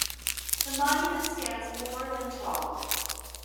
The monument stands more than tall.